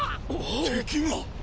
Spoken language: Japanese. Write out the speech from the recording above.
敵が！